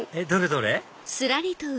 どれ？